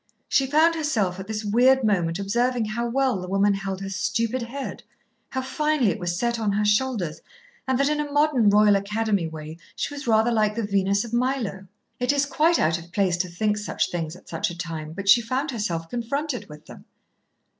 She found herself, at this weird moment, observing how well the woman held her stupid head, how finely it was set on her shoulders, and that in a modern Royal Academy way she was rather like the Venus of Milo. It is quite out of place to think such things at such a time. But she found herself confronted with them.